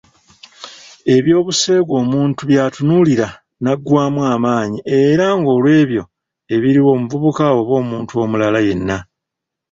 Eby'obuseegu omuntu by'atunuulira naggwaamu amaanyi era ng'olwebyo ebiriwo omuvubuka oba omuntu omulala yenna